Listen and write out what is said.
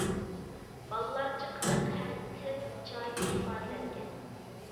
بالىلارچە قىلىق ھەم تىل جايىدا ئىپادىلەنگەن.